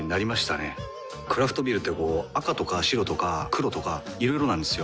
クラフトビールってこう赤とか白とか黒とかいろいろなんですよ。